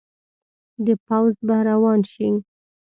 د پوځ به روان شي.